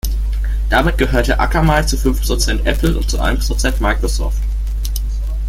Damit gehörte Akamai zu fünf Prozent Apple und zu einem Prozent Microsoft.